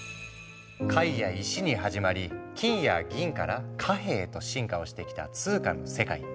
貝や石に始まり金や銀から貨幣へと進化をしてきた通貨の世界。